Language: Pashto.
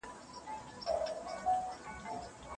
نن که سباوي زموږ ځیني تله دي.